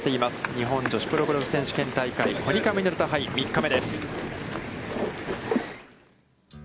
日本女子プロゴルフ選手権大会コニカミノルタ杯、３日目です。